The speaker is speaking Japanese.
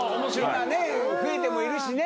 今増えてもいるしね。